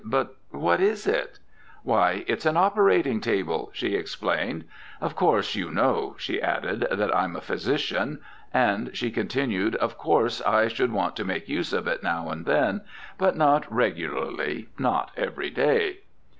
"But what is it?" "Why, it's an operating table," she explained. "Of course, you know," she added, "that I'm a physician. And," she continued, "of course I should want to make use of it now and then, but not regularly, not every day."